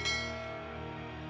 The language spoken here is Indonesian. jeniusnya ada bro